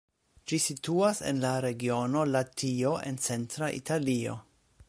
Ĝi situas en la regiono Latio en centra Italio.